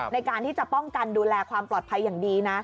ในการที่จะป้องกันดูแลความปลอดภัยอย่างดีนะ